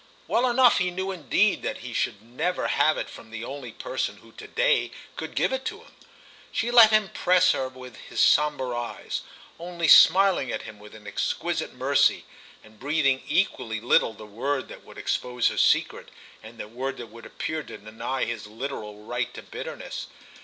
Well enough he knew indeed that he should never have it from the only person who to day could give it to him. She let him press her with his sombre eyes, only smiling at him with an exquisite mercy and breathing equally little the word that would expose her secret and the word that would appear to deny his literal right to bitterness.